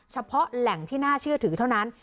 เฉพาะแหล่งที่น่าเชื่อถือเท่านั้น